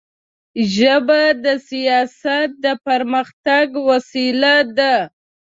ژبه د سیاست د پرمختګ وسیله ده